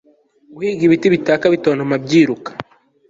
Guhiga ibiti bitaka bitontomabyiruka